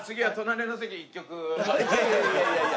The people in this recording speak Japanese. いやいやいやいや。